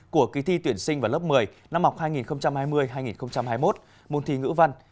của kỳ thi tuyển sinh vào lớp một mươi năm học hai nghìn hai mươi hai nghìn hai mươi một môn thi ngữ văn